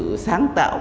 sự sáng tạo